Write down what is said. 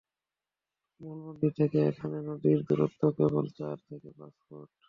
মূল মন্দির থেকে এখন নদীর দূরত্ব কেবল চার থেকে পাঁচ ফুট।